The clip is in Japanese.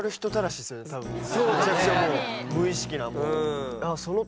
むちゃくちゃ無意識な。